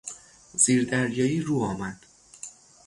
زیر دریایی روآمد.